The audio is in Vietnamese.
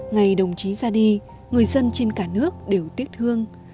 ngày đồng chí ra đi người dân trên cả nước đều tiếc thương